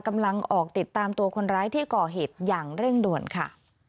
กำลังออกติดตามตัวคนร้ายที่ก่อเหตุอย่างเร่งด่วนค่ะ